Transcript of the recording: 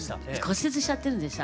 骨折しちゃってるんです